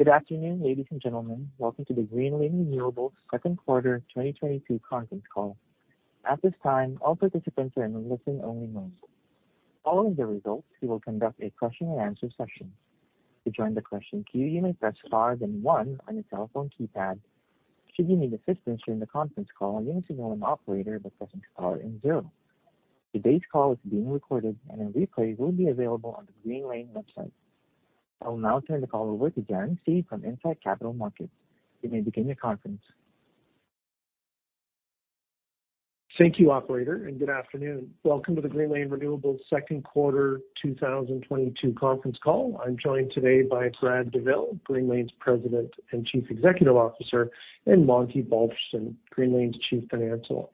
Good afternoon, ladies and gentlemen. Welcome to the Greenlane Renewables second quarter 2022 conference call. At this time, all participants are in listen only mode. Following the results, we will conduct a question-and-answer session. To join the question queue you may press star then one on your telephone keypad. Should you need assistance during the conference call, you may signal an operator by pressing star and zero. Today's call is being recorded and a replay will be available on the Greenlane website. I will now turn the call over to Darren Seed from Incite Capital Markets. You may begin your conference. Thank you operator and good afternoon. Welcome to the Greenlane Renewables second quarter 2022 conference call. I'm joined today by Brad Douville, Greenlane's President and Chief Executive Officer, and Monty Balderston, Greenlane's Chief Financial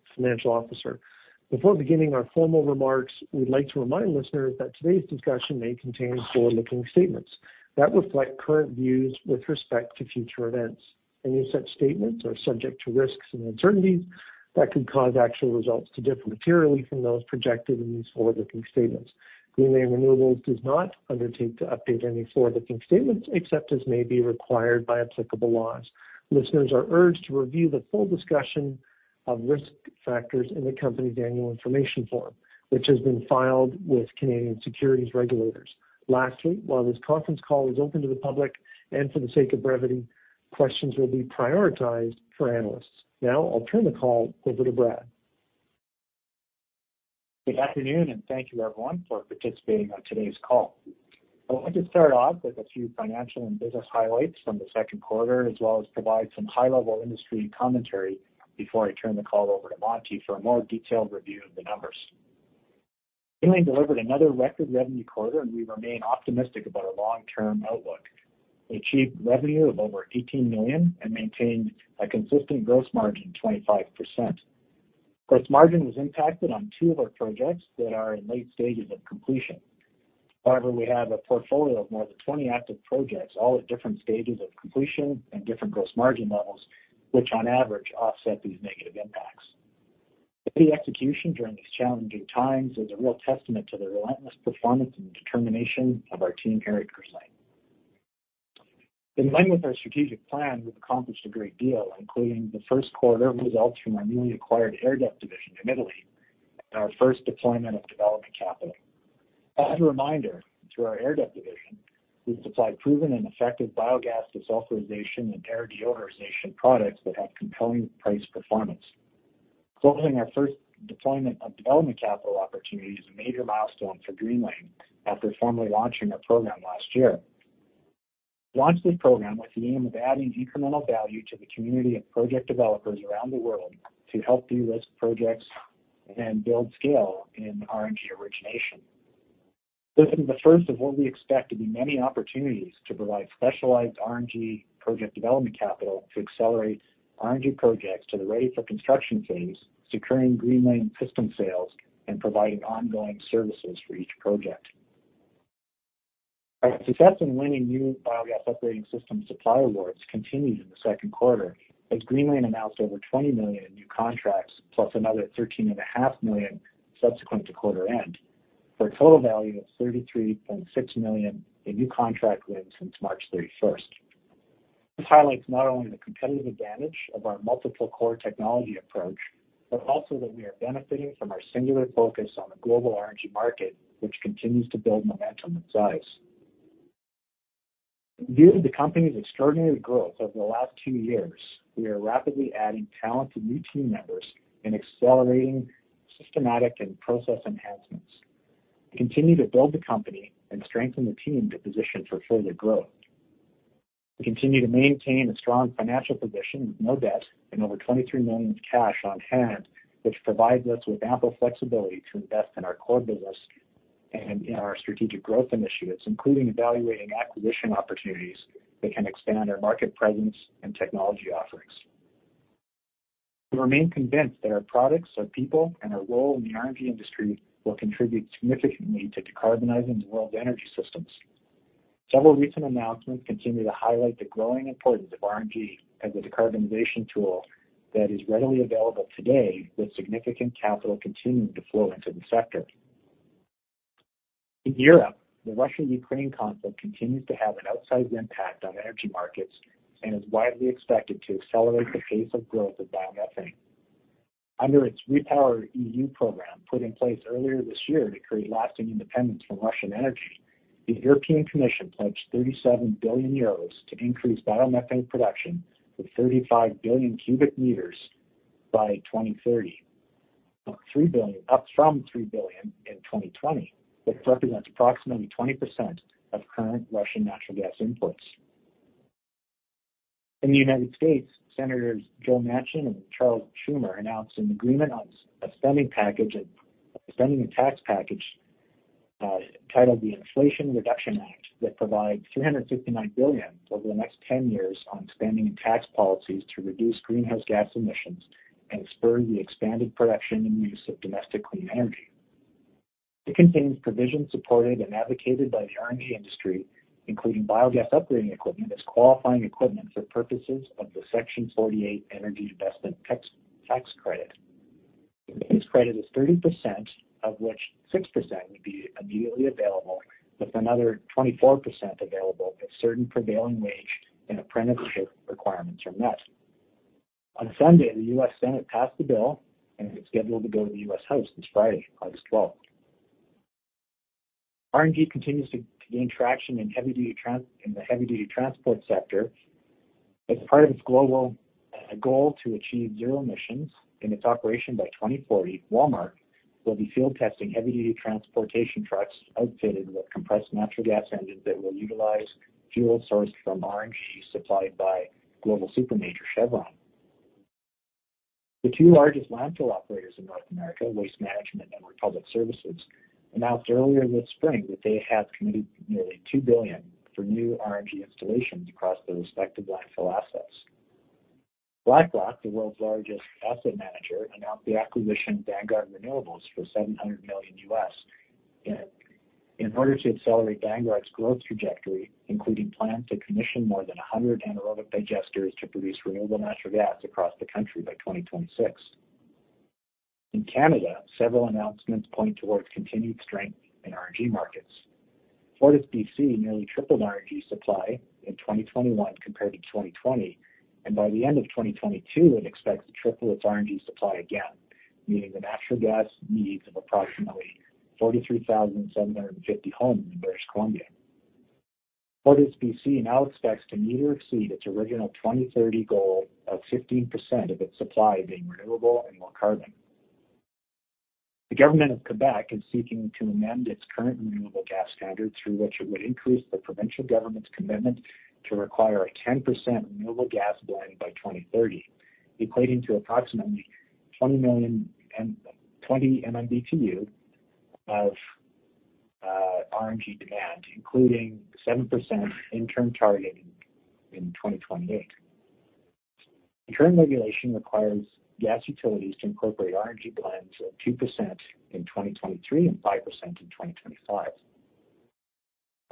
Officer. Before beginning our formal remarks we'd like to remind listeners that today's discussion may contain forward-looking statements that reflect current views with respect to future events. Any such statements are subject to risks and uncertainties that could cause actual results to differ materially from those projected in these forward-looking statements. Greenlane Renewables does not undertake to update any forward-looking statements except as may be required by applicable laws. Listeners are urged to review the full discussion of risk factors in the company's annual information form, which has been filed with Canadian securities regulators. Lastly, while this conference call is open to the public and for the sake of brevity, questions will be prioritized for analysts. Now I'll turn the call over to Brad. Good afternoon, and thank you everyone for participating on today's call. I wanted to start off with a few financial and business highlights from the second quarter, as well as provide some high-level industry commentary before I turn the call over to Monty for a more detailed review of the numbers. Greenlane delivered another record revenue quarter, and we remain optimistic about our long-term outlook. We achieved revenue of over 18 million and maintained a consistent gross margin, 25%. Gross margin was impacted on two of our projects that are in late stages of completion. However, we have a portfolio of more than 20 active projects, all at different stages of completion and different gross margin levels, which on average offset these negative impacts. The execution during these challenging times is a real testament to the relentless performance and determination of our team here at Greenlane. In line with our strategic plan, we've accomplished a great deal, including the first quarter results from our newly acquired Airdep division in Italy and our first deployment of development capital. As a reminder through our Airdep division, we supply proven and effective biogas desulfurization and air deodorization products that have compelling price performance. Closing our first deployment of development capital opportunity is a major milestone for Greenlane after formally launching our program last year. We launched this program with the aim of adding incremental value to the community of project developers around the world to help de-risk projects and build scale in RNG origination. This is the first of what we expect to be many opportunities to provide specialized RNG project development capital to accelerate RNG projects to the ready for construction phase, securing Greenlane system sales and providing ongoing services for each project. Our success in winning new biogas operating system supply awards continued in the second quarter as Greenlane announced over 20 million in new contracts, plus another 13.5 million subsequent to quarter end, for a total value of 33.6 million in new contract wins since March 31st. This highlights not only the competitive advantage of our multiple core technology approach but also that we are benefiting from our singular focus on the global RNG market, which continues to build momentum and size. Due to the company's extraordinary growth over the last two years, we are rapidly adding talented new team members and accelerating systematic and process enhancements to continue to build the company and strengthen the team to position for further growth. We continue to maintain a strong financial position with no debt and over 23 million of cash on hand, which provides us with ample flexibility to invest in our core business and in our strategic growth initiatives, including evaluating acquisition opportunities that can expand our market presence and technology offerings. We remain convinced that our products, our people, and our role in the RNG industry will contribute significantly to decarbonizing the world's energy systems. Several recent announcements continue to highlight the growing importance of RNG as a decarbonization tool that is readily available today with significant capital continuing to flow into the sector. In Europe, the Russian-Ukraine conflict continues to have an outsized impact on energy markets and is widely expected to accelerate the pace of growth of biomethane. Under its REPowerEU program put in place earlier this year to create lasting independence from Russian energy the European Commission pledged 37 billion euros to increase biomethane production to 35 billion cu m by 2030 up from 3 billion cu m in 2020, which represents approximately 20% of current Russian natural gas imports. In the United States, Senators Joe Manchin and Charles Schumer announced an agreement on a spending and tax package titled the Inflation Reduction Act that provides $359 billion over the next 10 years on spending and tax policies to reduce greenhouse gas emissions and spur the expanded production and use of domestic clean energy. It contains provisions supported and advocated by the RNG industry, including biogas upgrading equipment as qualifying equipment for purposes of the Section 48 energy investment tax credit. This credit is 30%, of which 6% would be immediately available, with another 24% available if certain prevailing wage and apprenticeship requirements are met. On Sunday, the U.S. Senate passed the bill, and it's scheduled to go to the U.S. House this Friday, August 12. RNG continues to gain traction in the heavy-duty transport sector. As part of its global goal to achieve zero emissions in its operation by 2040, Walmart will be field testing heavy-duty transportation trucks outfitted with compressed natural gas engines that will utilize fuel sourced from RNG supplied by global supermajor Chevron. The two largest landfill operators in North America, Waste Management and Republic Services, announced earlier this spring that they have committed nearly $2 billion for new RNG installations across their respective landfill assets. BlackRock, the world's largest asset manager, announced the acquisition of Vanguard Renewables for $700 million in order to accelerate Vanguard's growth trajectory, including plans to commission more than 100 anaerobic digesters to produce renewable natural gas across the country by 2026. In Canada, several announcements point towards continued strength in RNG markets. FortisBC nearly tripled RNG supply in 2021 compared to 2020, and by the end of 2022, it expects to triple its RNG supply again, meeting the natural gas needs of approximately 43,750 homes in British Columbia. FortisBC now expects to meet or exceed its original 2030 goal of 15% of its supply being renewable and low carbon. The government of Quebec is seeking to amend its current renewable gas standard through which it would increase the provincial government's commitment to require a 10% renewable gas blend by 2030, equating to approximately 20 million MMBtu of RNG demand, including 7% interim targeting in 2028. The current regulation requires gas utilities to incorporate RNG blends of 2% in 2023 and 5% in 2025.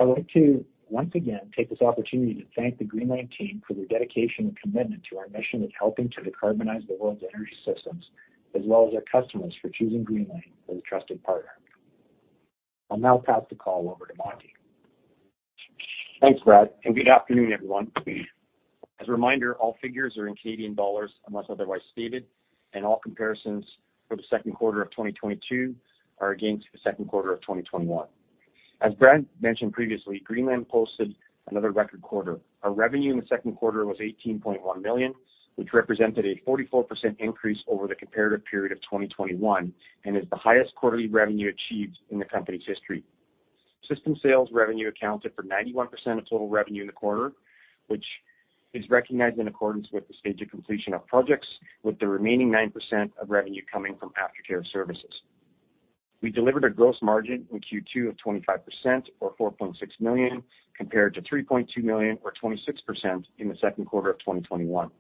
I'd like to once again take this opportunity to thank the Greenlane team for their dedication and commitment to our mission in helping to decarbonize the world's energy systems, as well as our customers for choosing Greenlane as a trusted partner. I'll now pass the call over to Monty. Thanks, Brad, and good afternoon, everyone. As a reminder, all figures are in Canadian dollars unless otherwise stated, and all comparisons for the second quarter of 2022 are against the second quarter of 2021. As Brad mentioned previously, Greenlane posted another record quarter. Our revenue in the second quarter was 18.1 million, which represented a 44% increase over the comparative period of 2021 and is the highest quarterly revenue achieved in the company's history. System sales revenue accounted for 91% of total revenue in the quarter, which is recognized in accordance with the stage of completion of projects, with the remaining 9% of revenue coming from aftercare services. We delivered a gross margin in Q2 of 25% or 4.6 million, compared to 3.2 million or 26% in the second quarter of 2021.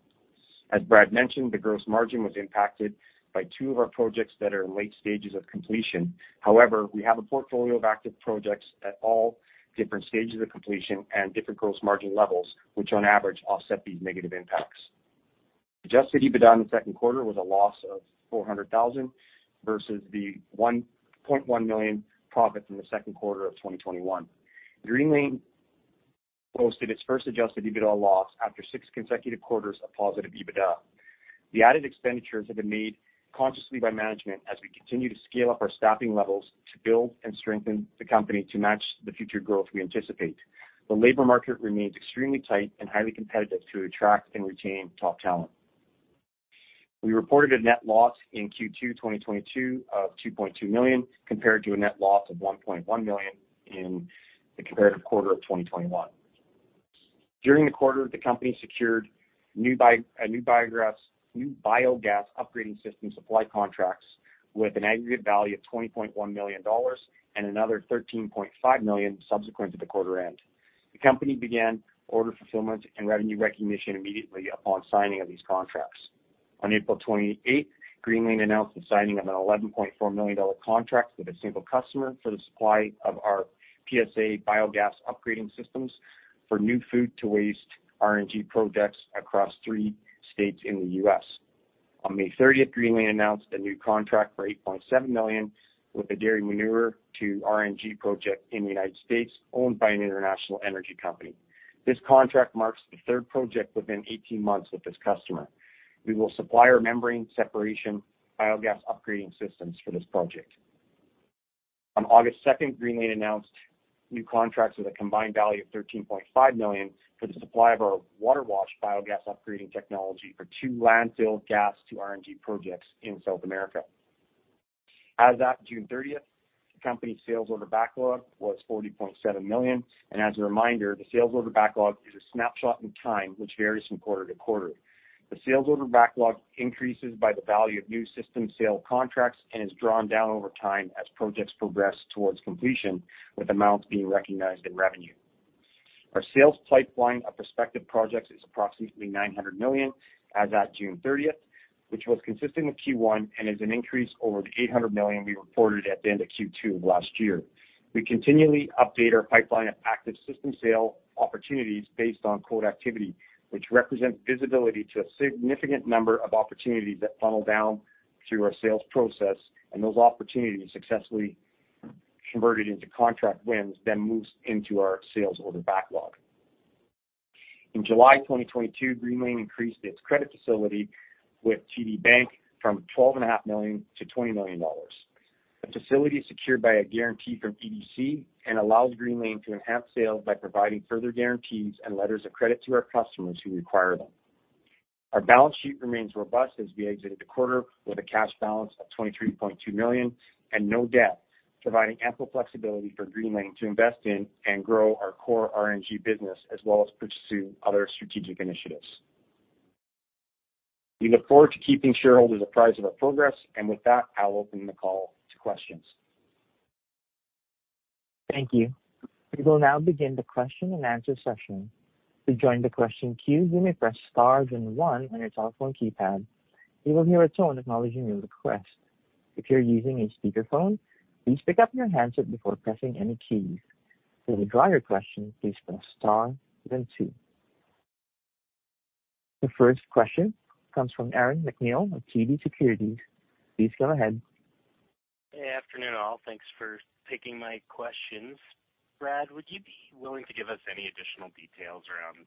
As Brad mentioned the gross margin was impacted by two of our projects that are in late stages of completion. However, we have a portfolio of active projects at all different stages of completion and different gross margin levels, which on average offset these negative impacts. Adjusted EBITDA in the second quarter was a loss of 400,000 versus the 1.1 million profit in the second quarter of 2021. Greenlane posted its first adjusted EBITDA loss after six consecutive quarters of positive EBITDA. The added expenditures have been made consciously by management as we continue to scale up our staffing levels to build and strengthen the company to match the future growth we anticipate. The labor market remains extremely tight and highly competitive to attract and retain top talent. We reported a net loss in Q2 2022 of 2.2 million, compared to a net loss of 1.1 million in the comparative quarter of 2021. During the quarter, the company secured new biogas upgrading system supply contracts with an aggregate value of 20.1 million dollars and another 13.5 million subsequent to the quarter end. The company began order fulfillment and revenue recognition immediately upon signing of these contracts. On April 28th, Greenlane announced the signing of a 11.4 million dollar contract with a single customer for the supply of our PSA biogas upgrading systems for new food to waste RNG projects across three states in the U.S. On May 30th, Greenlane announced a new contract for 8.7 million with a dairy manure to RNG project in the United States owned by an international energy company. This contract marks the third project within 18 months with this customer. We will supply our membrane separation biogas upgrading systems for this project. On August 2nd, Greenlane announced new contracts with a combined value of 13.5 million for the supply of our water wash biogas upgrading technology for two landfill gas to RNG projects in South America. As at June 30th, the company's sales order backlog was 40.7 million. As a reminder, the sales order backlog a snapshot in time, which varies from quarter to quarter. The sales order backlog increases by the value of new system sale contracts and is drawn down over time as projects progress towards completion, with amounts being recognized in revenue. Our sales pipeline of prospective projects is approximately 900 million as at June 30th, which was consistent with Q1 and is an increase over the 800 million we reported at the end of Q2 of last year. We continually update our pipeline of active system sale opportunities based on quote activity, which represents visibility to a significant number of opportunities that funnel down through our sales process and those opportunities successfully Converted into contract wins, then moves into our sales order backlog. In July 2022, Greenlane increased its credit facility with TD Bank from 12.5 million-20 million dollars. The facility is secured by a guarantee from EDC and allows Greenlane to enhance sales by providing further guarantees and letters of credit to our customers who require them. Our balance sheet remains robust as we exited the quarter with a cash balance of 23.2 million and no debt, providing ample flexibility for Greenlane to invest in and grow our core RNG business, as well as pursue other strategic initiatives. We look forward to keeping shareholders apprised of our progress. With that, I'll open the call to questions. Thank you. We will now begin the question and answer session. To join the question queue, you may press star then one on your telephone keypad. You will hear a tone acknowledging your request. If you're using a speakerphone, please pick up your handset before pressing any keys. To withdraw your question, please press star then two. The first question comes from Aaron MacNeil of TD Securities. Please go ahead. Hey, afternoon all. Thanks for taking my questions. Brad, would you be willing to give us any additional details around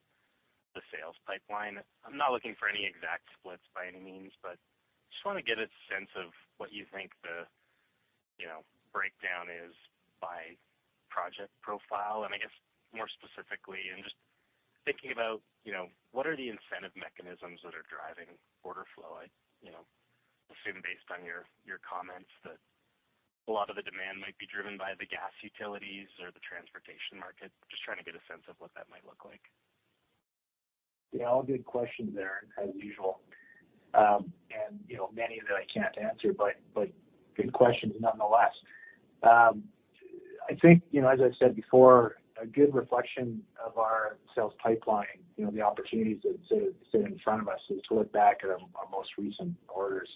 the sales pipeline? I'm not looking for any exact splits by any means, but just want to get a sense of what you think the, you know, breakdown is by project profile. I guess more specifically, and just thinking about, you know, what are the incentive mechanisms that are driving order flow? I, you know, assume based on your comments that a lot of the demand might be driven by the gas utilities or the transportation market. Just trying to get a sense of what that might look like. Yeah, all good questions there, as usual. You know, many that I can't answer, but good questions nonetheless. I think, you know, as I said before, a good reflection of our sales pipeline, you know, the opportunities that sit in front of us is to look back at our most recent orders.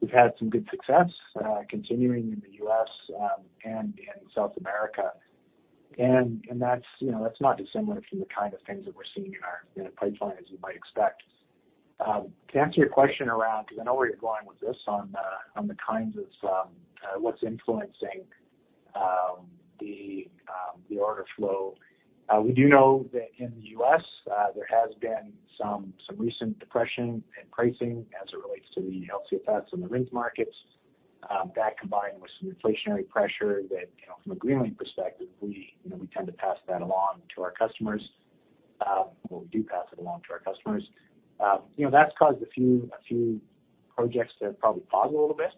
We've had some good success continuing in the U.S. and in South America. That's, you know, that's not dissimilar from the kind of things that we're seeing in our pipeline, as you might expect. To answer your question around, because I know where you're going with this on the kinds of what's influencing the order flow. We do know that in the U.S., there has been some recent depression in pricing as it relates to the LCFS and the RIN markets. That combined with some inflationary pressure that, you know, from a Greenlane perspective, we, you know, we tend to pass that along to our customers, or we do pass it along to our customers. You know, that's caused a few projects to probably pause a little bit.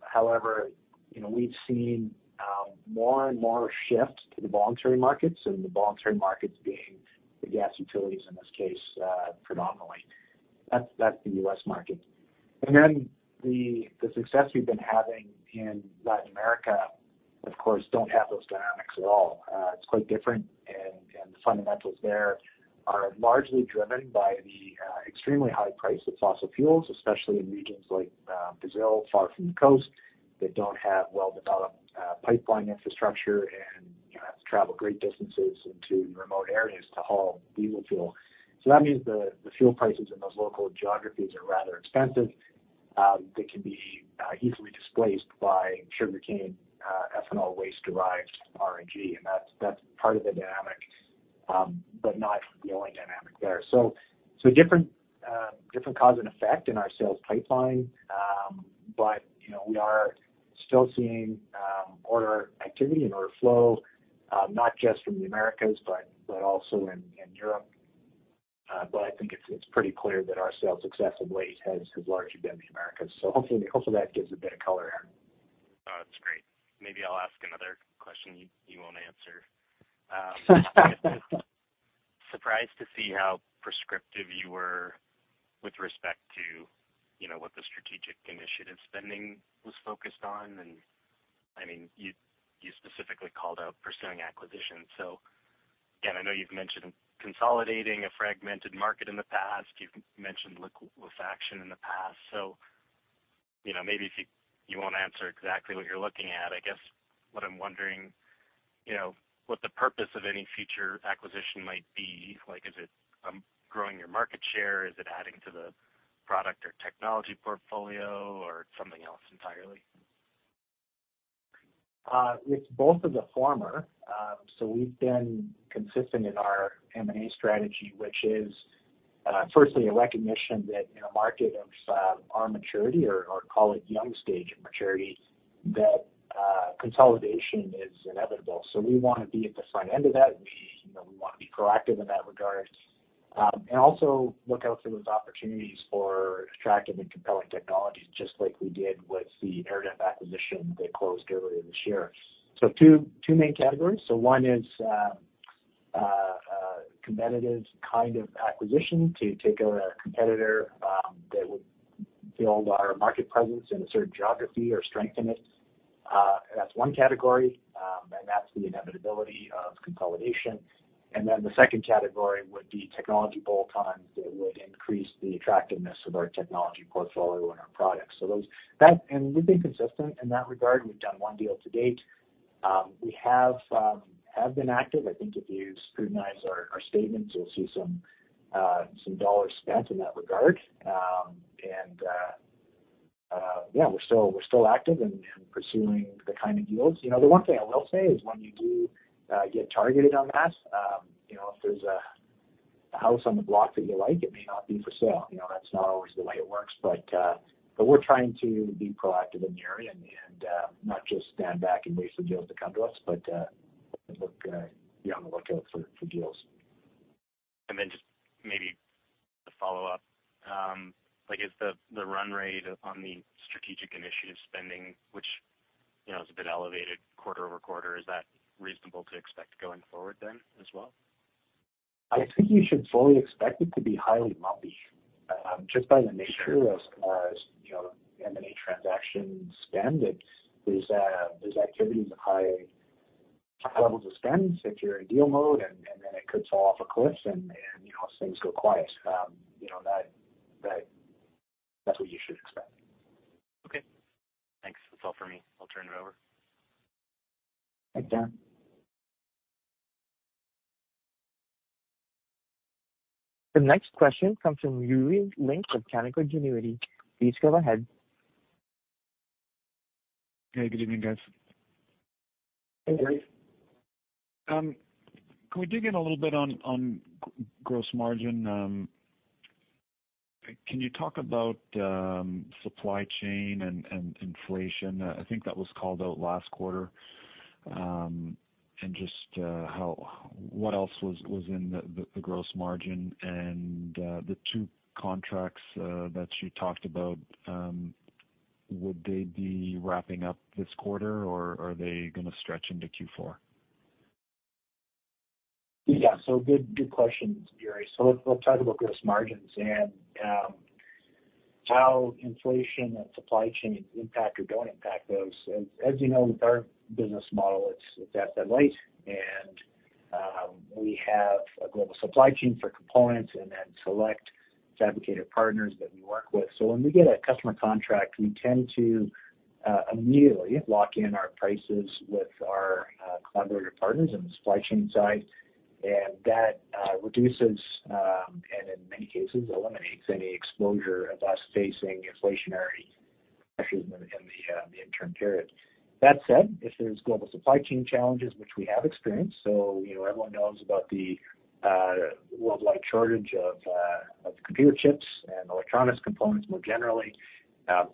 However, you know, we've seen more and more shift to the voluntary markets and the voluntary markets being the gas utilities in this case, predominantly. That's the U.S. market. The success we've been having in Latin America, of course, don't have those dynamics at all. It's quite different. The fundamentals there are largely driven by the extremely high price of fossil fuels, especially in regions like Brazil, far from the coast, that don't have well-developed pipeline infrastructure and, you know, have to travel great distances into remote areas to haul diesel fuel. That means the fuel prices in those local geographies are rather expensive. They can be easily displaced by sugarcane ethanol waste derived RNG. That's part of the dynamic but not the only dynamic there. Different cause and effect in our sales pipeline. You know, we are still seeing order activity and order flow not just from the Americas, but also in Europe. I think it's pretty clear that our sales success of late has largely been the Americas. Hopefully that gives a bit of color, Aaron. No, that's great. Maybe I'll ask another question you won't answer. I guess just surprised to see how prescriptive you were with respect to, you know, what the strategic initiative spending was focused on. I mean, you specifically called out pursuing acquisitions. Again, I know you've mentioned consolidating a fragmented market in the past. You've mentioned liquefaction in the past. You know, maybe if you won't answer exactly what you're looking at. I guess what I'm wondering, you know, what the purpose of any future acquisition might be? Like, is it growing your market share? Is it adding to the product or technology portfolio or something else entirely? It's both of the former. We've been consistent in our M&A strategy, which is, firstly a recognition that in a market of our maturity or call it young stage of maturity, that consolidation is inevitable. We want to be at the front end of that. We, you know, we want to be proactive in that regard. And also look out for those opportunities for attractive and compelling technologies, just like we did with the Airdep acquisition that closed earlier this year. Two main categories. One is a competitive kind of acquisition to take out a competitor that would build our market presence in a certain geography or strengthen it. That's one category. And that's the inevitability of consolidation. The second category would be technology bolt-ons that would increase the attractiveness of our technology portfolio and our products. Those and we've been consistent in that regard. We've done one deal to date. We have been active. I think if you scrutinize our statements, you'll see some dollars spent in that regard. We're still active in pursuing the kind of deals. You know, the one thing I will say is when you do get targeted on that, you know, if there's a house on the block that you like, it may not be for sale. You know, that's not always the way it works. We're trying to be proactive in the area and not just stand back and wait for deals to come to us, but look, be on the lookout for deals. Just maybe to follow up, like is the run rate on the strategic initiative spending, which, you know, is a bit elevated quarter-over-quarter, is that reasonable to expect going forward then as well? I think you should fully expect it to be highly lumpy, just by the nature of, you know, M&A transaction spend. There's activities of high levels of spend if you're in deal mode, and you know, things go quiet. You know, that's what you should expect. Okay. Thanks. That's all for me. I'll turn it over. Thanks, Darren. The next question comes from Yuri Lynk of Canaccord Genuity. Please go ahead. Hey, good evening, guys. Hey, Yuri. Can we dig in a little bit on gross margin? Can you talk about supply chain and inflation? I think that was called out last quarter. Just what else was in the gross margin and the two contracts that you talked about, would they be wrapping up this quarter, or are they gonna stretch into Q4? Yeah. Good questions, Yuri. Let's talk about gross margins and how inflation and supply chain impact or don't impact those. As you know, with our business model, it's asset-light, and we have a global supply chain for components and then select fabricator partners that we work with. When we get a customer contract, we tend to immediately lock in our prices with our collaborator partners on the supply chain side. That reduces and in many cases eliminates any exposure of us facing inflationary pressures in the interim period. That said, if there's global supply chain challenges, which we have experienced, you know, everyone knows about the worldwide shortage of computer chips and electronics components more generally.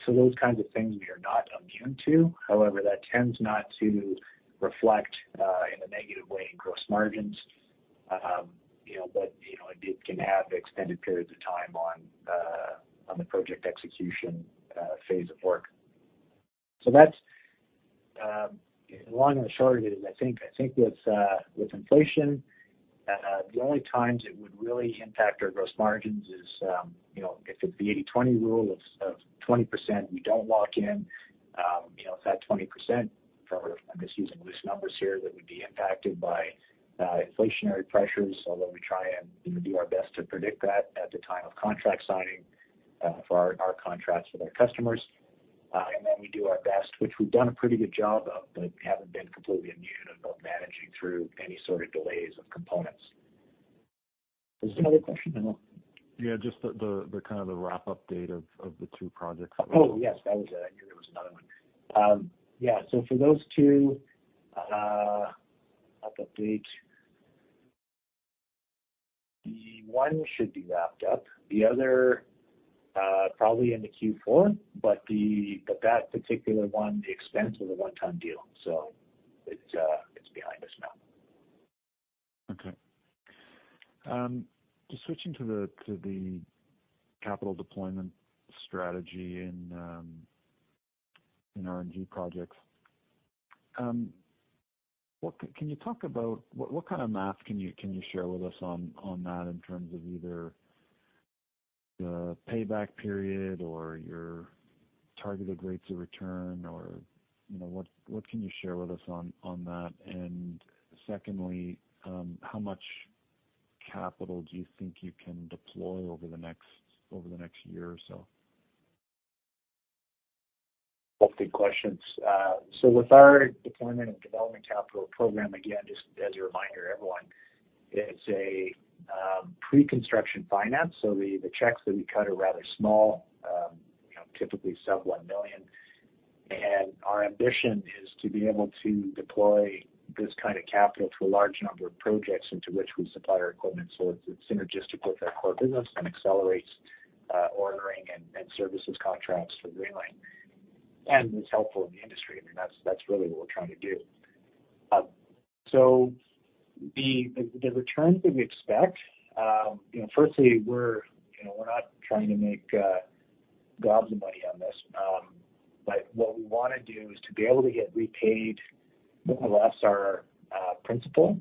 Those kinds of things we are not immune to. However, that tends not to reflect in a negative way in gross margins. You know, it can have extended periods of time on the project execution phase of work. That's the long and short of it. I think with inflation, the only times it would really impact our gross margins is if the 80/20 rule of 20% we don't lock in. You know, if that 20%, I'm just using loose numbers here, that would be impacted by inflationary pressures, although we try and do our best to predict that at the time of contract signing for our contracts with our customers. We do our best, which we've done a pretty good job of, but we haven't been completely immune to managing through any sort of delays of components. Was there another question or no? Just the kind of the wrap-up date of the two projects. Oh, yes, that was it. I knew there was another one. Yeah. For those two, I'll update. The one should be wrapped up. The other, probably into Q4, but that particular one, the expense was a one-time deal, so it's behind us now. Okay. Just switching to the capital deployment strategy in R&D projects. Can you talk about what kind of math can you share with us on that in terms of either the payback period or your targeted rates of return or, you know, what can you share with us on that? Secondly, how much capital do you think you can deploy over the next year or so? Both good questions. With our deployment and development capital program, again, just as a reminder to everyone, it's a pre-construction finance. The checks that we cut are rather small, you know, typically sub 1 million. Our ambition is to be able to deploy this kind of capital to a large number of projects into which we supply our equipment. It's synergistic with our core business and accelerates ordering and services contracts for Greenlane, and it's helpful in the industry. I mean, that's really what we're trying to do. The returns that we expect, you know, firstly we're, you know, we're not trying to make gobs of money on this. What we wanna do is to be able to get repaid more or less our principal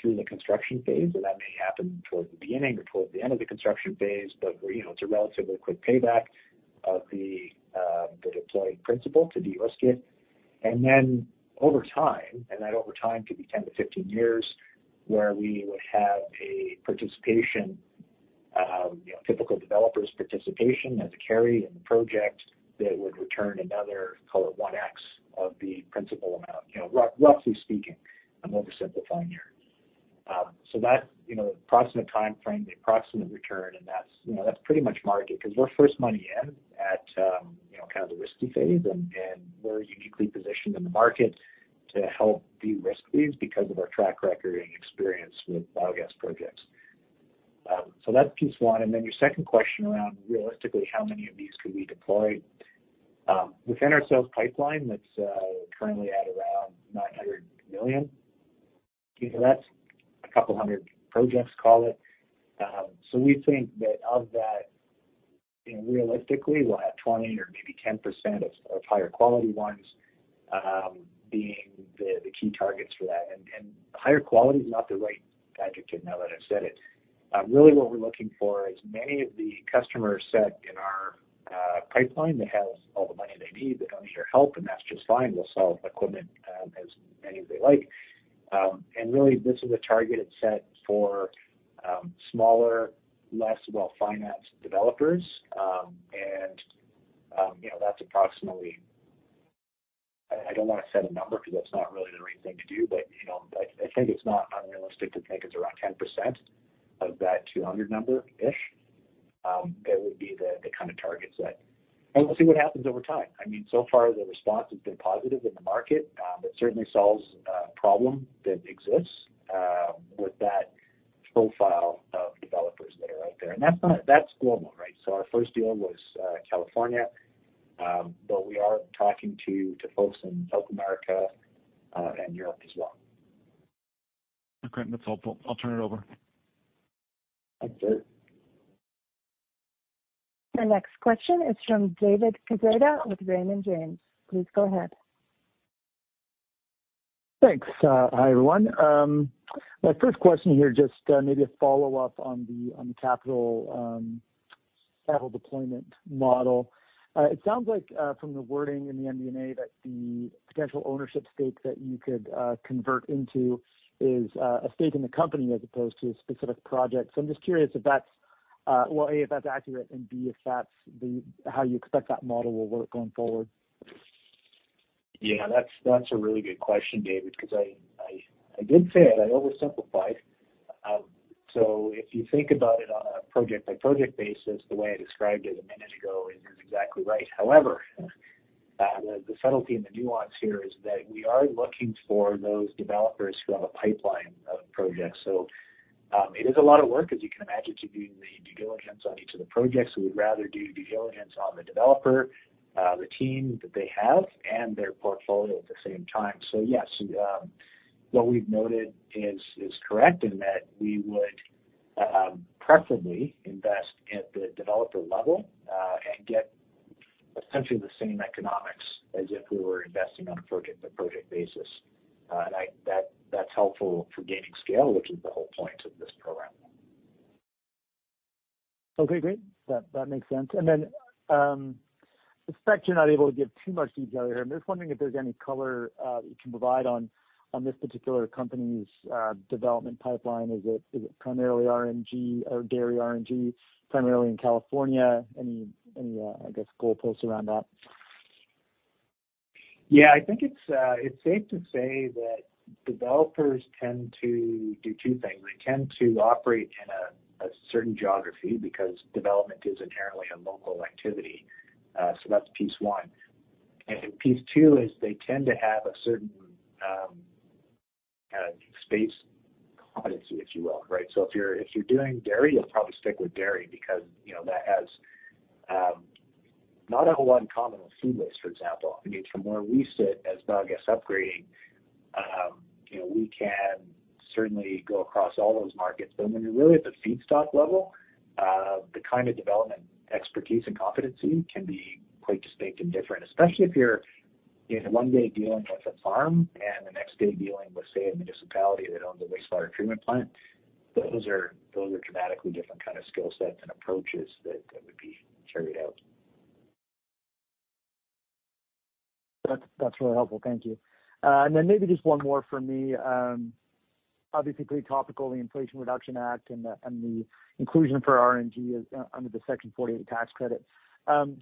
through the construction phase. That may happen towards the beginning or towards the end of the construction phase. We're, you know, it's a relatively quick payback of the deployed principal to de-risk it. Then over time, and that over time could be 10-15 years, where we would have a participation, you know, typical developer's participation as a carry in the project that would return another, call it 1x of the principal amount. You know, roughly speaking. I'm oversimplifying here. That, you know, approximate time frame, the approximate return, and that's, you know, that's pretty much market because we're first money in at, you know, kind of the risky phase. We're uniquely positioned in the market to help de-risk these because of our track record and experience with biogas projects. That's piece one. Then your second question around realistically, how many of these could we deploy? Within our sales pipeline that's currently at around 900 million. You know, that's a couple hundred projects call it. So we think that of that, you know, realistically we'll have 20% or maybe 10% of higher quality ones being the key targets for that. Higher quality is not the right adjective now that I've said it. Really what we're looking for is many of the customers set in our pipeline that has all the money they need. They don't need your help, and that's just fine. We'll sell equipment as many as they like. Really this is a targeted set for smaller, less well-financed developers. You know, that's approximately. I don't wanna set a number because that's not really the right thing to do. You know, I think it's not unrealistic to think it's around 10% of that 200 number-ish. That would be the kind of target set. We'll see what happens over time. I mean, so far the response has been positive in the market. It certainly solves a problem that exists with that profile of developers that are out there. That's global, right? Our first deal was California. We are talking to folks in South America and Europe as well. Okay. That's helpful. I'll turn it over. Thanks, Yuri. Our next question is from David Quezada with Raymond James. Please go ahead. Thanks. Hi everyone. My first question here, just maybe a follow-up on the capital deployment model. It sounds like from the wording in the MD&A that the potential ownership stake that you could convert into is a stake in the company as opposed to a specific project. I'm just curious if that's, well, A, if that's accurate and B, if that's how you expect that model will work going forward. Yeah, that's a really good question, David, 'cause I did say it, I oversimplified. If you think about it on a project-by-project basis, the way I described it a minute ago is exactly right. However, the subtlety and the nuance here is that we are looking for those developers who have a pipeline of projects. It is a lot of work, as you can imagine, to do the due diligence on each of the projects. We would rather do due diligence on the developer, the team that they have and their portfolio at the same time. Yes, what we've noted is correct in that we would preferably invest at the developer level, and get essentially the same economics as if we were investing on a project-by-project basis. That's helpful for gaining scale, which is the whole point of this program. Okay, great. That makes sense. I expect you're not able to give too much detail here. I'm just wondering if there's any color you can provide on this particular company's development pipeline. Is it primarily RNG or dairy RNG primarily in California? Any, I guess goalposts around that? Yeah, I think it's safe to say that developers tend to do two things. They tend to operate in a certain geography because development is inherently a local activity. That's piece one. Piece two is they tend to have a certain space competency, if you will, right? If you're doing dairy, you'll probably stick with dairy because, you know, that has not a whole lot in common with food waste, for example. I mean, from where we sit as biogas upgrading, you know, we can certainly go across all those markets. When you're really at the feedstock level, the kind of development expertise and competency can be quite distinct and different, especially if you're, you know, one day dealing with a farm and the next day dealing with, say, a municipality that owns a wastewater treatment plant. Those are dramatically different kind of skill sets and approaches that would be carried out. That's really helpful. Thank you. Then maybe just one more for me. Obviously pretty topical, the Inflation Reduction Act and the inclusion for RNG is under the Section 48 tax credit.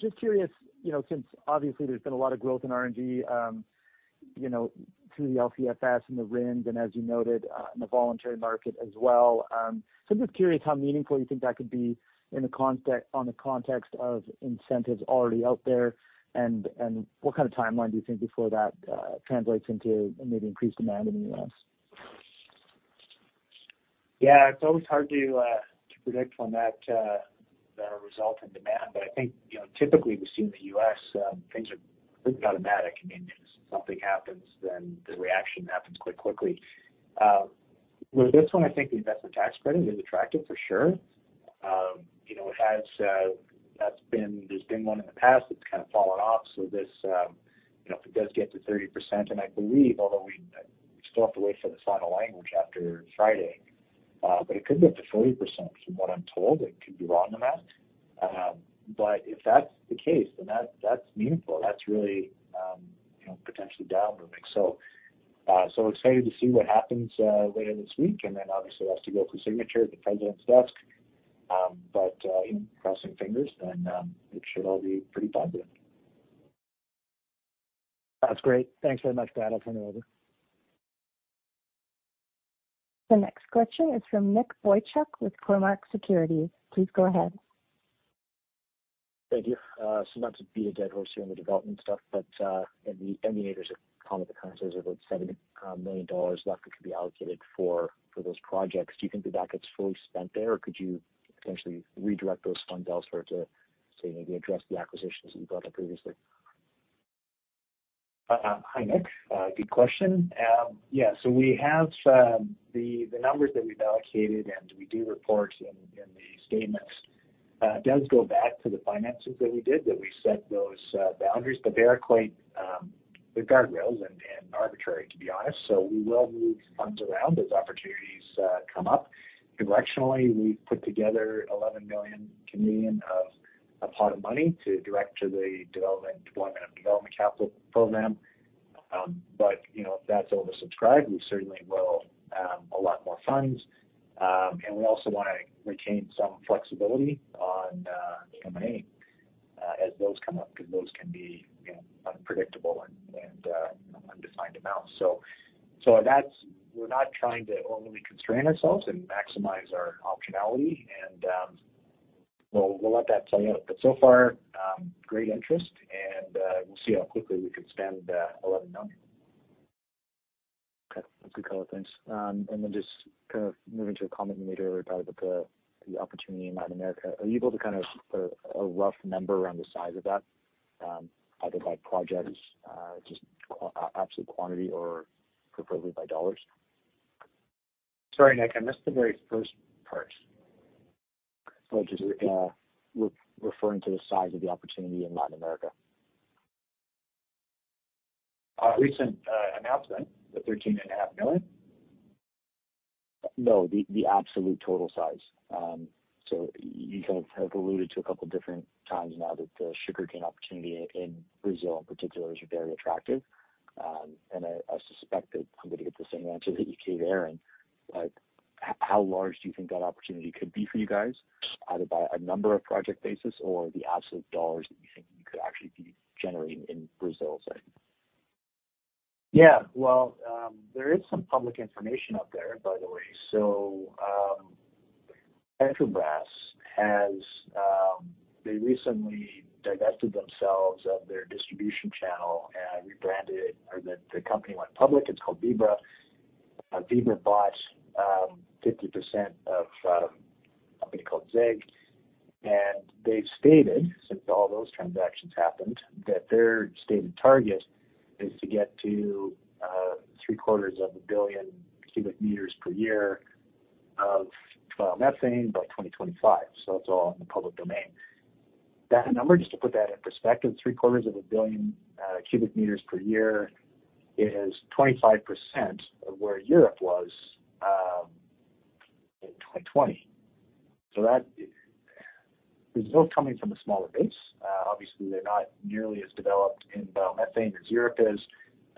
Just curious, you know, since obviously there's been a lot of growth in RNG, you know, through the LCFS and the RINs and as you noted, in the voluntary market as well. So I'm just curious how meaningful you think that could be in the context of incentives already out there. What kind of timeline do you think before that translates into maybe increased demand in the U.S.? It's always hard to predict on that, the resultant demand. I think, you know, typically we see in the U.S., things are pretty automatic. I mean, if something happens, then the reaction happens quite quickly. With this one I think the investment tax credit is attractive for sure. You know, it has. There's been one in the past that's kind of fallen off. This, you know, if it does get to 30%, and I believe, although we still have to wait for the final language after Friday, but it could be up to 40% from what I'm told. I could be wrong on that but if that's the case, then that's meaningful. That's really, you know, potentially game-changing. Excited to see what happens later this week. Then obviously it has to go for signature at the president's desk. You know, crossing fingers and it should all be pretty positive. That's great. Thanks very much, Brad. I'll turn it over. The next question is from Nick Boychuk with Cormark Securities. Please go ahead. Thank you. Not to beat a dead horse here on the development stuff, but in the MD&As that comment that comes, there's about 70 million dollars left that could be allocated for those projects. Do you think that gets fully spent there, or could you potentially redirect those funds elsewhere to, say, maybe address the acquisitions that you brought up previously? Hi, Nick. Good question. Yeah, we have the numbers that we've allocated, and we do report in the statements. It does go back to the finances that we did, that we set those boundaries. They're quite, they're guardrails and arbitrary, to be honest. We will move funds around as opportunities come up. Directionally, we've put together 11 million of a pot of money to direct to the deployment of development capital program. You know, if that's oversubscribed, we certainly will allot more funds. We also wanna retain some flexibility on M&A as those come up, because those can be, you know, unpredictable and undefined amounts. We're not trying to overly constrain ourselves and maximize our optionality, and we'll let that play out. So far, great interest and we'll see how quickly we can spend 11 million. Okay. That's a good call. Thanks. Just kind of moving to a comment you made earlier, Brad, about the opportunity in Latin America. Are you able to kind of put a rough number around the size of that either by projects absolute quantity or preferably by dollars? Sorry, Nick, I missed the very first part. Just referring to the size of the opportunity in Latin America. Our recent announcement, the 13.5 million? No, the absolute total size. So you kind of have alluded to a couple different times now that the sugarcane opportunity in Brazil in particular is very attractive. And I suspect that I'm gonna get the same answer that you gave Aaron, but how large do you think that opportunity could be for you guys, either by a number of project basis or the absolute dollars that you think you could actually be generating in Brazil, say? Yeah. Well, there is some public information out there, by the way. Petrobras has. They recently divested themselves of their distribution channel and rebranded, or the company went public. It's called Vibra. Vibra bought 50% of a company called ZEG. They've stated, since all those transactions happened, that their stated target is to get to three-quarters of 1 billion cu m per year of biomethane by 2025. That's all in the public domain. That number, just to put that in perspective, three-quarters of 1 billion cu m per year is 25% of where Europe was in 2020. Brazil's coming from a smaller base. Obviously, they're not nearly as developed in biomethane as Europe is.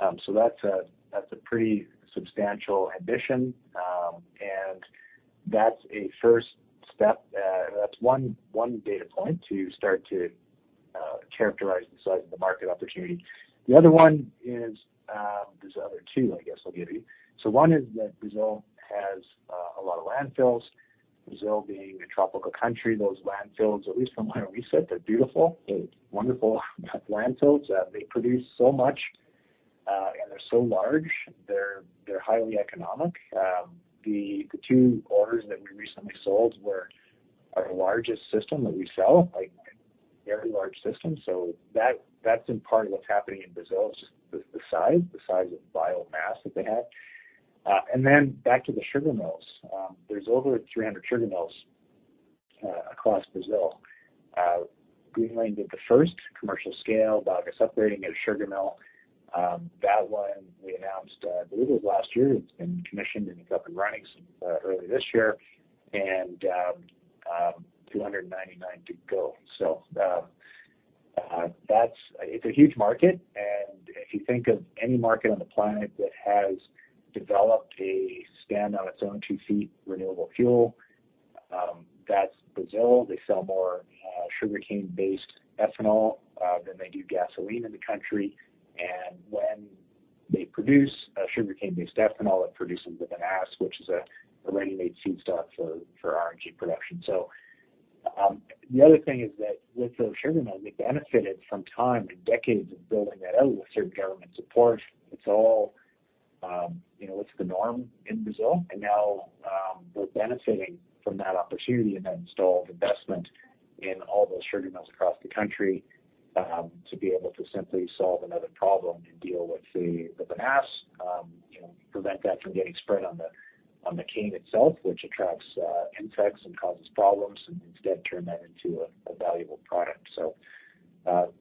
That's a pretty substantial ambition. That's a first step. That's one data point to start to characterize the size of the market opportunity. The other one is. There are other two, I guess I'll give you. One is that Brazil has a lot of landfills. Brazil being a tropical country, those landfills, at least from what I read, they're beautiful. They're wonderful landfills. They produce so much, and they're so large. They're highly economic. The two orders that we recently sold were our largest system that we sell, like very large systems. That, that's been part of what's happening in Brazil is just the size of biomass that they have. And then back to the sugar mills. There's over 300 sugar mills across Brazil. Greenlane did the first commercial scale biogas upgrading at a sugar mill. That one we announced, I believe it was last year. It's been commissioned and is up and running since early this year. 299 to go. That's a huge market. If you think of any market on the planet that has developed a stand-on-its-own-two-feet renewable fuel, that's Brazil. They sell more sugarcane-based ethanol than they do gasoline in the country. When they produce a sugarcane-based ethanol, it produces a vinasse, which is a ready-made feedstock for RNG production. The other thing is that with those sugar mills, they benefited from time and decades of building that out with certain government support. It's all, you know, it's the norm in Brazil. Now, we're benefiting from that opportunity and that installed investment in all those sugar mills across the country, to be able to simply solve another problem and deal with the vinasse, you know, prevent that from getting spread on the cane itself, which attracts insects and causes problems, and instead turn that into a valuable product.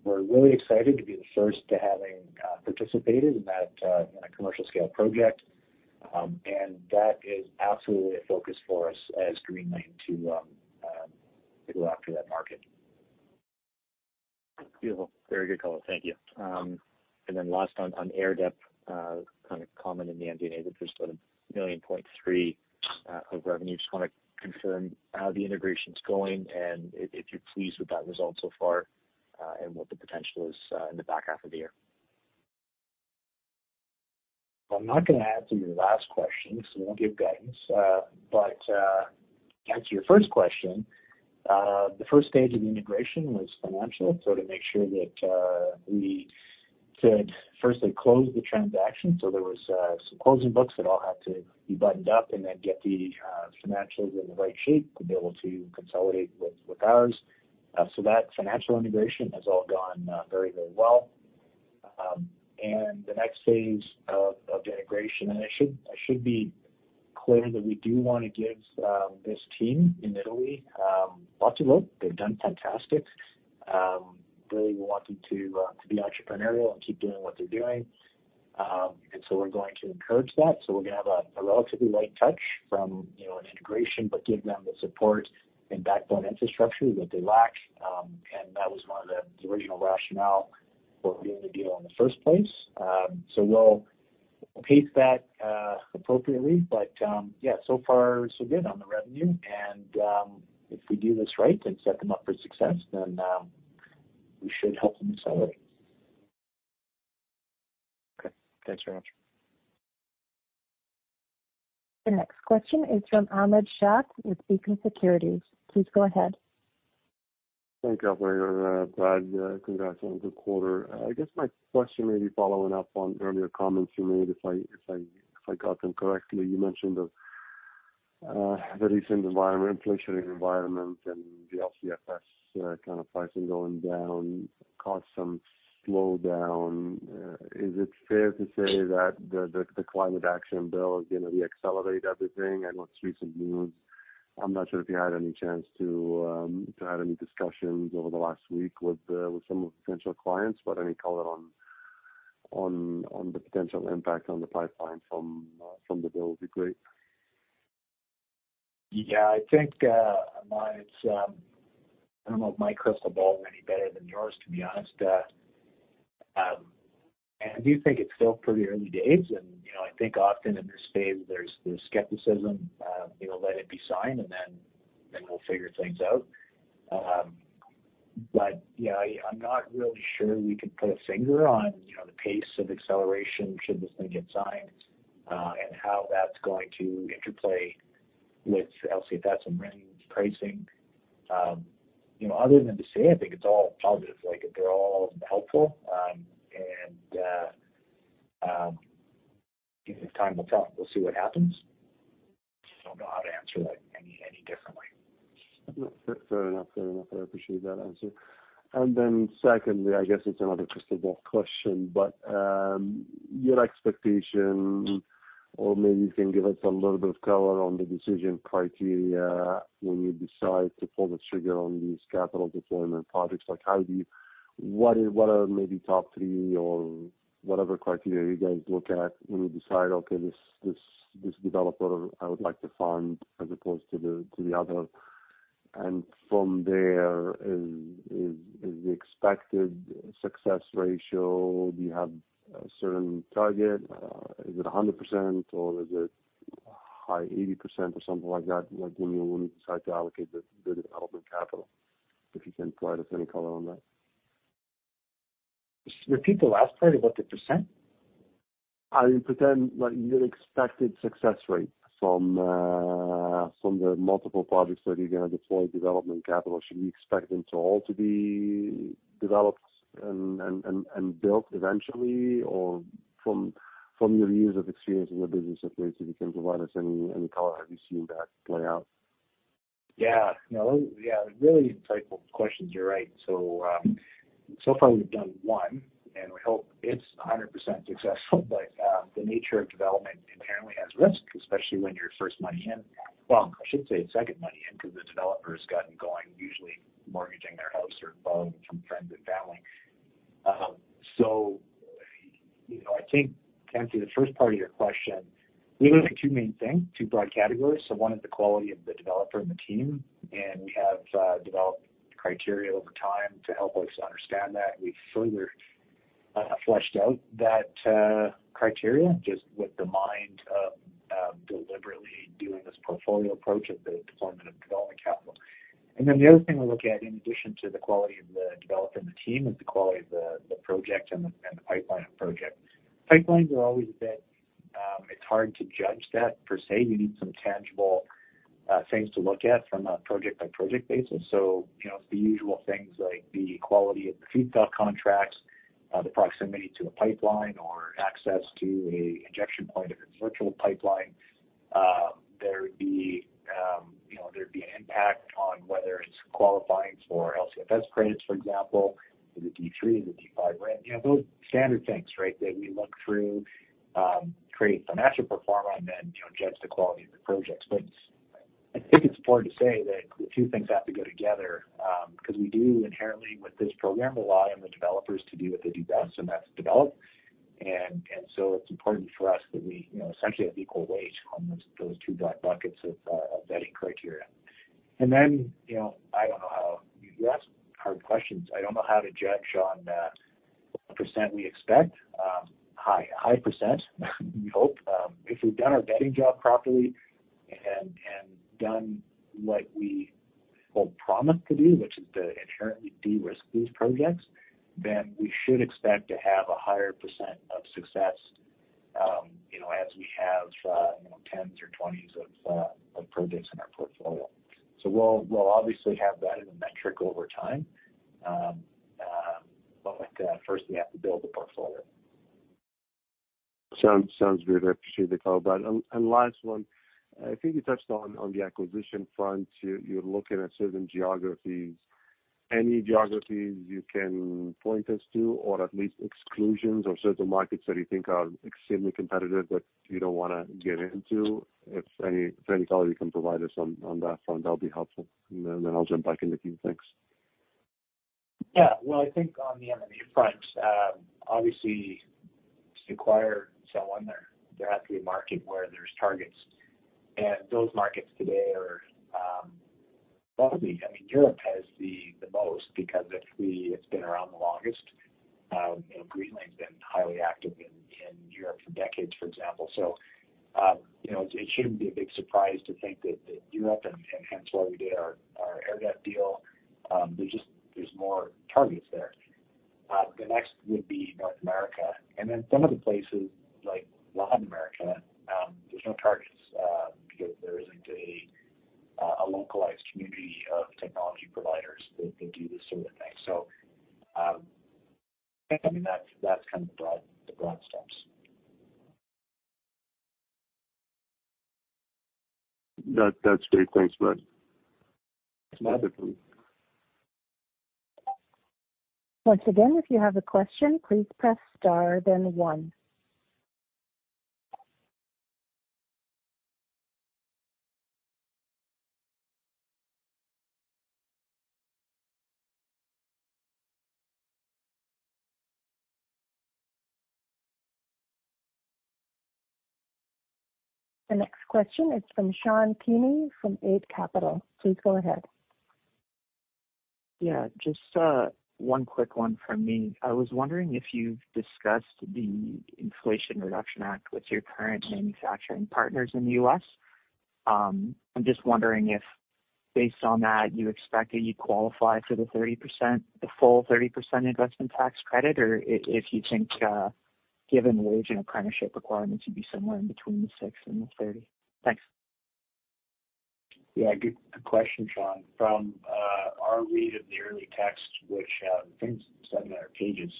We're really excited to be the first to having participated in that, in a commercial scale project. That is absolutely a focus for us as Greenlane to go after that market. Beautiful. Very good call. Thank you. Last on Airdep, kind of comment in the MD&A that there's sort of 1.3 million of revenue. Just want to confirm how the integration's going and if you're pleased with that result so far, and what the potential is in the back half of the year. I'm not gonna add to your last question, so we won't give guidance. To answer your first question, the first stage of the integration was financial, so to make sure that we could firstly close the transaction. There was some closing books that all had to be buttoned up and then get the financials in the right shape to be able to consolidate with ours. That financial integration has all gone very, very well. The next phase of the integration. I should be clear that we do wanna give this team in Italy lots of love. They've done fantastic. Really want them to be entrepreneurial and keep doing what they're doing. We're going to encourage that. We're gonna have a relatively light touch from, you know, an integration, but give them the support and backbone infrastructure that they lack. That was one of the original rationale for doing the deal in the first place. We'll pace that appropriately. Yeah, so far so good on the revenue and, if we do this right and set them up for success, then we should help them accelerate. Okay. Thanks very much. The next question is from Ahmad Shaath with Beacon Securities. Please go ahead. Thank you, operator. Brad, congrats on the quarter. I guess my question may be following up on earlier comments you made if I got them correctly. You mentioned the recent environment, inflationary environment and the LCFS kind of pricing going down caused some slowdown. Is it fair to say that the climate action bill is gonna re-accelerate everything? What's recent news? I'm not sure if you had any chance to have any discussions over the last week with some of the potential clients, but any color on the potential impact on the pipeline from the bill would be great. Yeah, I think, Ahmad, it's. I don't know if my crystal ball is any better than yours, to be honest. I do think it's still pretty early days and, you know, I think often in this phase there's the skepticism, you know, let it be signed and then we'll figure things out. Yeah, I'm not really sure we could put a finger on, you know, the pace of acceleration should this thing get signed, and how that's going to interplay with LCFS and RIN pricing. You know, other than to say I think it's all positive, like, they're all helpful. You know, time will tell. We'll see what happens. I don't know how to answer that any differently. Fair enough. Fair enough. I appreciate that answer. Secondly, I guess it's another crystal ball question, but your expectation or maybe you can give us a little bit of color on the decision criteria when you decide to pull the trigger on these capital deployment projects. Like, how do you... What are maybe top three or whatever criteria you guys look at when you decide, okay, this developer I would like to fund as opposed to the other? From there, is the expected success ratio, do you have a certain target? Is it 100% or is it high 80% or something like that? Like, when you decide to allocate the development capital, if you can provide us any color on that. Repeat the last part about the percent. I mean, percent, like your expected success rate from the multiple projects that you're gonna deploy development capital. Should we expect them to all be developed and built eventually or from your years of experience in your business affairs, if you can provide us any color, have you seen that play out? Yeah. No, yeah, really insightful questions. You're right. So far we've done one, and we hope it's 100% successful, but the nature of development inherently has risk, especially when you're first money in. Well, I should say second money in, 'cause the developer's gotten going usually mortgaging their house or borrowing from friends and family. You know, I think to answer the first part of your question, we look at two main things, two broad categories. One is the quality of the developer and the team, and we have developed criteria over time to help us understand that. We've further fleshed out that criteria just with the mind of deliberately doing this portfolio approach of the deployment of development capital. The other thing we look at in addition to the quality of the developer and the team is the quality of the project and the pipeline of project. Pipelines are always a bit, it's hard to judge that per se. You need some tangible things to look at from a project by project basis. You know, it's the usual things like the quality of the feedstock contracts, the proximity to a pipeline or access to an injection point if it's virtual pipeline. There would be, you know, there'd be an impact on whether it's qualifying for LCFS credits, for example. Is it D3? Is it D5 RIN? You know, those standard things, right, that we look through, create financial profile and then, you know, judge the quality of the projects. I think it's important to say that the two things have to go together, 'cause we do inherently with this program, rely on the developers to do what they do best, and that's develop. So it's important for us that we, you know, essentially have equal weight on those two buckets of vetting criteria. Then, you know, you ask hard questions. I don't know how to judge on what percent we expect. High percent we hope. If we've done our vetting job properly and done what we both promised to do, which is to inherently de-risk these projects, then we should expect to have a higher percent of success, you know, as we have tens or twenties of projects in our portfolio. We'll obviously have that as a metric over time. First we have to build the portfolio. Sounds good. I appreciate the color. Last one. I think you touched on the acquisition front, you're looking at certain geographies. Any geographies you can point us to or at least exclusions or certain markets that you think are extremely competitive that you don't wanna get into? If any color you can provide us on that front, that'll be helpful. I'll jump back in the queue. Thanks. Yeah. Well, I think on the M&A front, obviously to acquire someone there has to be a market where there's targets. Those markets today are broadly I mean, Europe has the most because it's been around the longest. You know, Greenlane's been highly active in Europe for decades, for example. It shouldn't be a big surprise to think that Europe and hence why we did our Airdep deal, there's just more targets there. The next would be North America. Then some of the places like Latin America, there's no targets because there isn't a localized community of technology providers that can do this sort of thing. I think, I mean, that's kind of the broad steps. That's great. Thanks, Brad. That's another point. Once again, if you have a question, please press star then one. The next question is from Sean Keaney from Eight Capital. Please go ahead. Yeah, just one quick one from me. I was wondering if you've discussed the Inflation Reduction Act with your current manufacturing partners in the U.S. I'm just wondering if based on that, you expect that you qualify for the 30%, the full 30% investment tax credit, or if you think, given wage and apprenticeship requirements, you'd be somewhere in between the 6% and the 30%. Thanks. Yeah, good. Good question, Sean. From our read of the early text, which I think is 700 pages,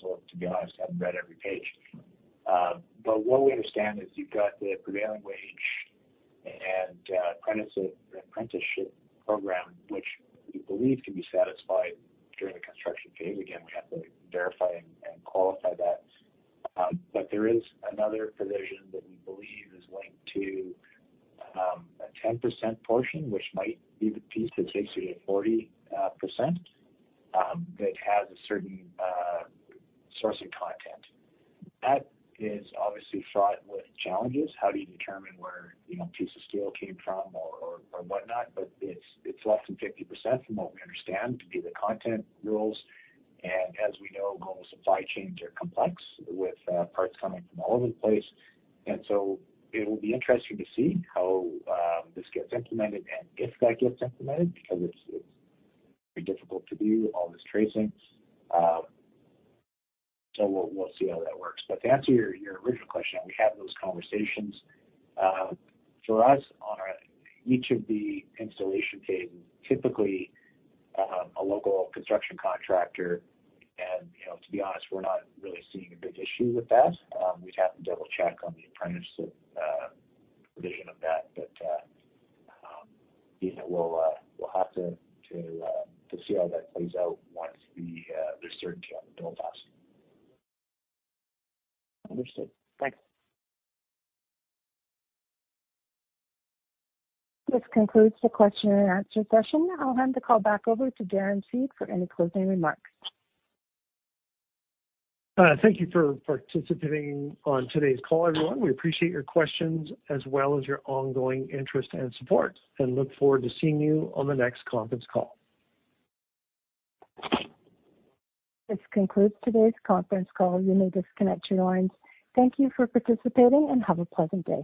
so to be honest, I haven't read every page. What we understand is you've got the prevailing wage and apprenticeship program, which we believe can be satisfied during the construction phase. Again, we have to verify and qualify that. There is another provision that we believe is linked to a 10% portion, which might be the piece that takes you to 40%, that has a certain domestic content. That is obviously fraught with challenges. How do you determine where, you know, a piece of steel came from or whatnot, but it's less than 50% from what we understand to be the content rules. As we know, global supply chains are complex with parts coming from all over the place. It'll be interesting to see how this gets implemented and if that gets implemented because it's very difficult to do all this tracing. We'll see how that works. To answer your original question, we have those conversations. For us each of the installation phase, typically, a local construction contractor and, you know, to be honest, we're not really seeing a big issue with that. We'd have to double-check on the apprenticeship provision of that. You know, we'll have to see how that plays out once there's certainty on the bill passing. Understood. Thanks. This concludes the question-and-answer session. I'll hand the call back over to Darren Seed for any closing remarks. Thank you for participating on today's call, everyone. We appreciate your questions as well as your ongoing interest and support and look forward to seeing you on the next conference call. This concludes today's conference call. You may disconnect your lines. Thank you for participating, and have a pleasant day.